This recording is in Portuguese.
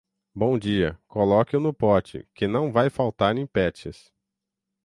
Bom dia, coloque-o no pote, que não vai faltar em patches.